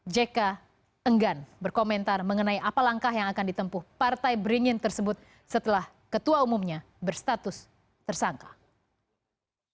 jk enggan berkomentar mengenai apa langkah yang akan ditempuh partai beringin tersebut setelah ketua umumnya berstatus tersangka